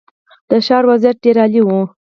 د ښار وضعیت ډېر عالي و.